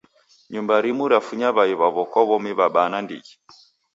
Nyumba rimu rafunya w'ai w'awo kwa w'omi w'abaa nandighi.